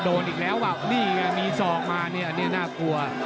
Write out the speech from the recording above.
โดนอีกแล้วนี่มีสองมานี่เนี่ยน่ากลัว